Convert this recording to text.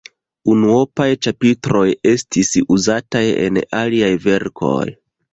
Unuopaj ĉapitroj estis uzataj en aliaj verkoj.